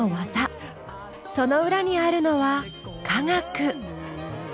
その裏にあるのは科学。